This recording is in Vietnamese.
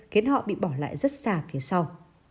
khiến họ bị bỏ lại rất xa phía sau